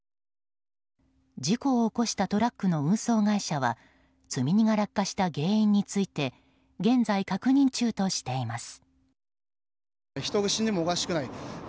事故を起こしたトラックの運送会社は積み荷が落下した原因について現在、確認中としています。